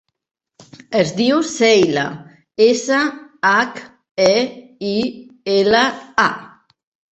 Es diu Sheila: essa, hac, e, i, ela, a.